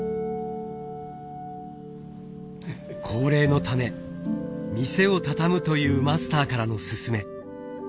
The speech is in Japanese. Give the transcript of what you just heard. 高齢のため店をたたむというマスターからの勧め。